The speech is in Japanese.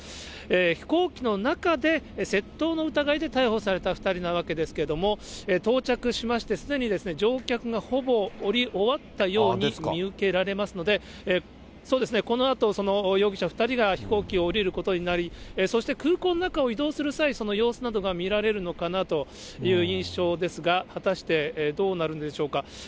飛行機の中で窃盗の疑いで逮捕された２人なわけですけども、到着しまして、すでに乗客がほぼ降り終わったように見受けられますので、このあとその容疑者２人が飛行機を降りることになり、そして空港の中を移動する際、その様子などが見られるのかなという印象ですが、果たしてどうなるんでしょうか。